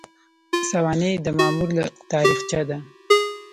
سوانح د مامور تاریخچه ده